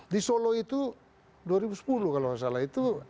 di solo itu dua ribu sepuluh kalau tidak salah